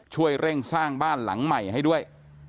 ช่วยเร่งสร้างบ้านหลังใหม่ให้ด้วย